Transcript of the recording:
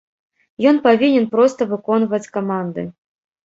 Ён павінен проста выконваць каманды.